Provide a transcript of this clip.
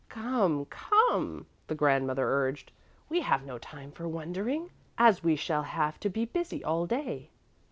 "Come, come," the grandmother urged, "we have no time for wondering, as we shall have to be busy all day."